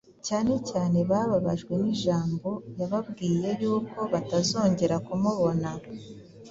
Cyane cyane bababajwe n’ijambo yababwiye yuko batazongera kumubona.